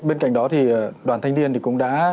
bên cạnh đó thì đoàn thanh niên cũng đã